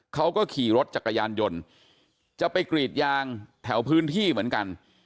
เขาก็ขี่รถจักรยานยนต์จะไปกรีดยางแถวพื้นที่เหมือนกัน